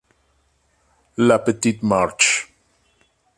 La Petite-Marche